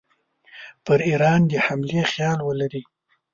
پر ایران د حملې خیال ولري.